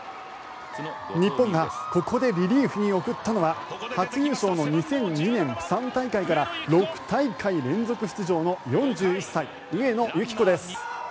日本がここでリリーフに送ったのは初優勝の２００２年釜山大会から６大会連続出場の４１歳上野由岐子です。